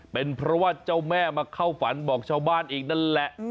เป็นเพราะว่าเจ้าแม่เจ้าแม่มาเข้าฝันบอกชาวบ้านนั้นแหละ